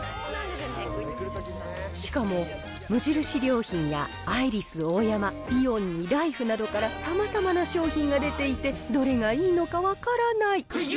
しかも無印良品やアイリスオーヤマ、イオンにライフなどから、さまざまな商品が出ていて、どれがいいのか分からない。